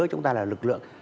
chúng ta là lực lượng